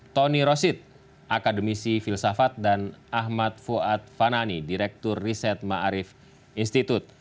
tony rosit akademisi filsafat dan ahmad fuad fanani direktur riset ma'arif institut